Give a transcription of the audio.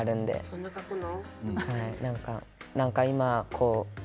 そんなに書くの？